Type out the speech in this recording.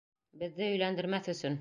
Беҙҙе өйләндермәҫ өсөн!